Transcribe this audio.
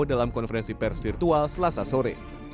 dalam konferensi pers virtual selasa sore